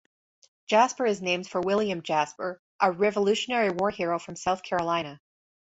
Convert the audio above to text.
Jasper is named for William Jasper, a Revolutionary War hero from South Carolina.